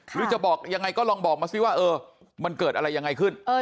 หรือจะบอกยังไงก็ลองบอกมาสิว่ามันเกิดอะไรยังไงขึ้น